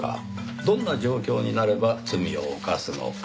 どんな状況になれば罪を犯すのか。